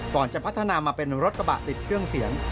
ก่อนจะพัฒนามาเป็นรถกระบะติดเครื่องเสียง